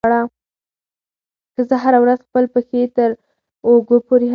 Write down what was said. ښځه هره ورځ خپل پښې تر اوږو پورې هسکوي.